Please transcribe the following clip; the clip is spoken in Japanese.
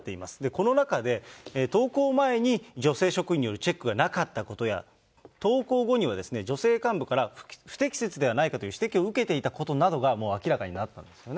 この中で、投稿前に女性職員によるチェックがなかったことや、投稿後にはですね、女性幹部から不適切ではないかという指摘を受けていたことなどが、もう明らかになったんですよね。